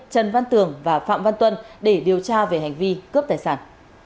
trần văn tường và phạm văn tuân để điều tra về hành vi cướp tài sản